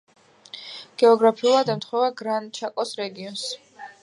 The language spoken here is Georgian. გეოგრაფიულად ემთხვევა გრან-ჩაკოს რეგიონს.